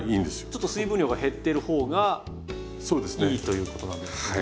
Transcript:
ちょっと水分量が減ってる方がいいということなんですね。